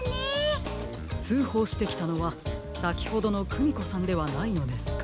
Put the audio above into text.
つうほうしてきたのはさきほどのクミコさんではないのですか？